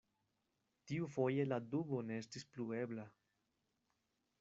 Tiufoje la dubo ne estis plu ebla.